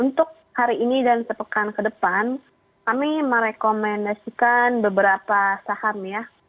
untuk hari ini dan sepekan ke depan kami merekomendasikan beberapa saham ya